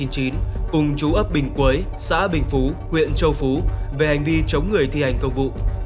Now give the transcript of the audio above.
cùng chú ấp bình quế xã bình phú huyện châu phú về hành vi chống người thi hành công vụ